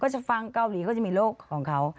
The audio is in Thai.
จะฟังเกาหลีก็จะมีโลกของเขา